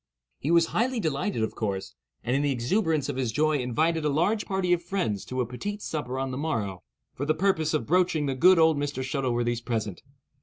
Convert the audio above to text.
He was highly delighted, of course, and in the exuberance of his joy invited a large party of friends to a petit souper on the morrow, for the purpose of broaching the good old Mr. Shuttleworthy's present.